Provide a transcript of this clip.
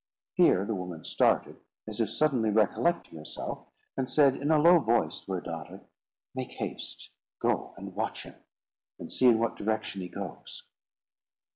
Here the woman started, as if suddenly recollecting herself, and said in a low voice to her daughter, "Make haste—go and watch him, and see in what direction he goes."